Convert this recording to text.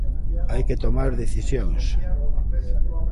Hai que tomar decisións.